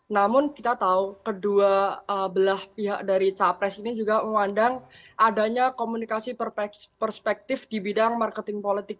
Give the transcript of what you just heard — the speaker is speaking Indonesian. namun kita tahu kedua belah pihak dari capres ini juga memandang adanya komunikasi perspektif di bidang marketing politik